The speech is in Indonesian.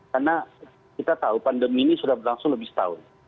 karena kita tahu pandemi ini sudah berlangsung lebih setahun